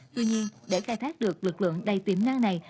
tuy nhiên để khai thác được lực lượng đầy tiềm năng này